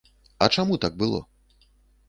А чаму так было?